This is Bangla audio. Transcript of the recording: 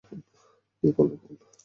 কে করল ফোন?